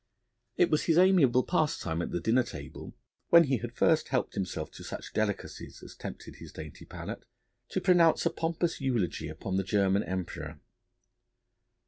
It was his amiable pastime at the dinner table, when he had first helped himself to such delicacies as tempted his dainty palate, to pronounce a pompous eulogy upon the German Emperor.